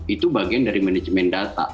itu bagian dari manajemen data